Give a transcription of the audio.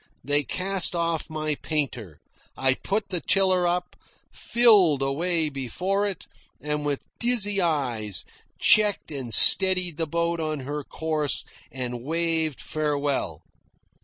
They cast off my painter. I put the tiller up, filled away before it, and with dizzy eyes checked and steadied the boat on her course and waved farewell.